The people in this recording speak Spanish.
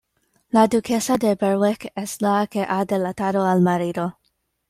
La duquesa de Berwick es la que ha delatado al marido.